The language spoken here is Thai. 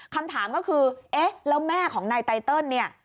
คำถามก็คือแล้วแม่ของนายไตเติล